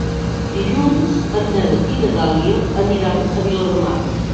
Dilluns en Nel i na Dàlia aniran a Viladamat.